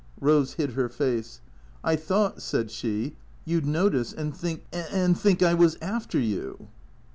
Rose hid her face. " I thought," said she, " you 'd notice, and think — and think I was after you."